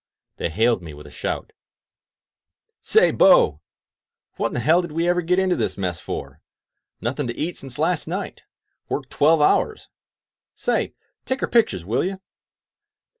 They hailed me with a shout: Say, bo! What in hell did we ever get into this mess for? Nothing to eat since last night — ^work twelve hours — say, take our pictures, will you?''